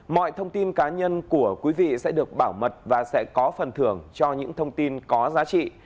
mọi thông tin cá nhân của quý vị sẽ được bảo mật và sẽ có phần thưởng cho những thông tin có giá trị